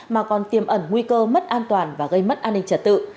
mà còn tiêm ẩn nguy cơ mất an toàn và gây mất an ninh trật tự